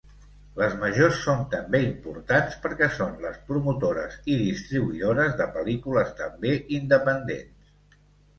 Les Majors són també importants perquè són les promotores i distribuïdores de pel·lícules també independents.